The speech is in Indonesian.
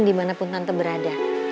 dimanapun tante berada